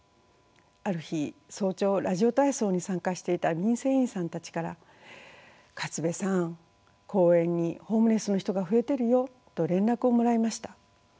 ある日早朝ラジオ体操に参加していた民生委員さんたちから「勝部さん公園にホームレスの人が増えてるよ」と連絡をもらいました。